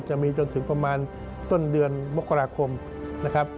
จะมีจนถึงประมาณต้นเดือนมกราคมนะครับ